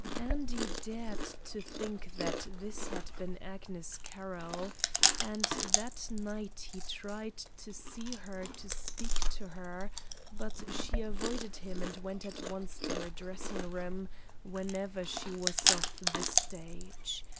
Andy dared to think that this had been Agnes Carroll, and that night he tried to see her to speak to her, but she avoided him and went at once to her dressing room whenever she was off the stage.